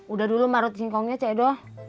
udah dulu marut singkongnya cek do